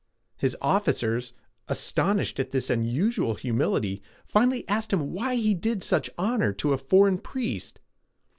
His officers, astonished at this unusual humility, finally asked him why he did such honor to a foreign priest.